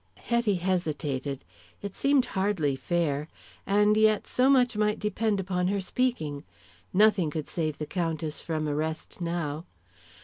Hetty hesitated. It seemed hardly fair. And yet so much might depend upon her speaking. Nothing could save the Countess from arrest now.